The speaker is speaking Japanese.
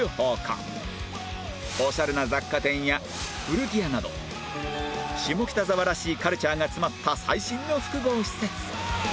オシャレな雑貨店や古着屋など下北沢らしいカルチャーが詰まった最新の複合施設